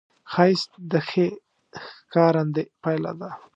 ښایست د ښې ښکارندې پایله ده